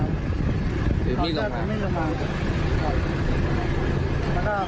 หัวมีดล่มหลังมา